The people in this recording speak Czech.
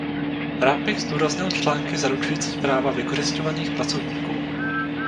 Rád bych zdůraznil články zaručující práva vykořisťovaných pracovníků.